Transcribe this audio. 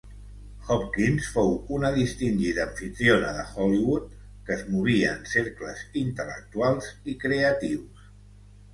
Hopkins fou una distingida amfitriona de Hollywood que es movia en cercles intel·lectuals i creatius.